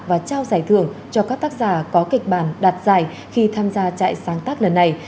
và trao giải thưởng cho các tác giả có kịch bản đạt giải khi tham gia trại sáng tác lần này